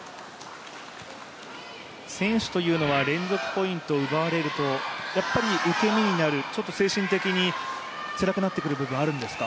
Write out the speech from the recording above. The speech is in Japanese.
選手というのは連続ポイントを奪われるとやっぱり、受け身になるちょっと精神的につらくなってくる部分あるんですか。